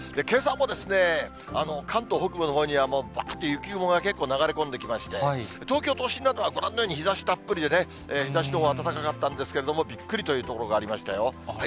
けさも関東北部のほうには、もうばーっと雪雲が結構流れ込んできまして、東京都心などは、ご覧のように日ざしたっぷりでね、日ざしのほう、暖かかったんですけれども、びっくりという所がありましたよ。